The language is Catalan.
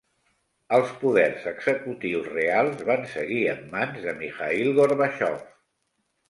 Els poders executius reals van seguir en mans de Mikhaïl Gorbatxov.